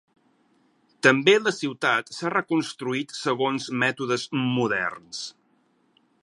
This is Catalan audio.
També la ciutat s'ha reconstruït segons mètodes moderns.